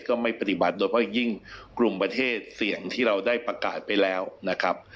ก็ไม่ปฏิบัติโดยเพราะยิ่งกลุ่มประเทศเสี่ยงที่เราได้ประกาศไปแล้วนะครับ